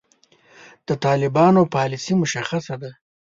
د طالبانو پالیسي مشخصه ده.